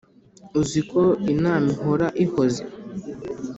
uziko inama ihora ihoze